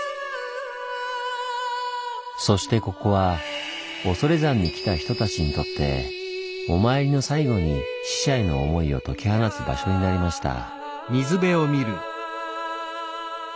そしてここは恐山に来た人たちにとってお参りの最後に死者への思いを解き放つ場所になりました。